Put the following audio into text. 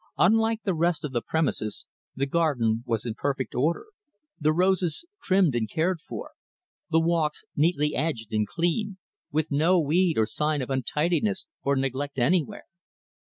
Unlike the rest of the premises, the garden was in perfect order the roses trimmed and cared for; the walks neatly edged and clean; with no weed or sign of untidiness or neglect anywhere.